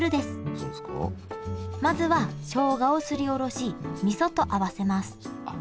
まずはしょうがをすりおろしみそと合わせますあっ